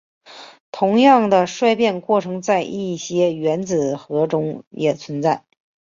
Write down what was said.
同样的衰变过程在一些原子核中也存在。